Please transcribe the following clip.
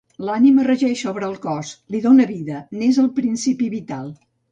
L'ànima regeix sobre el cos, li dona vida, n'és el principi vital.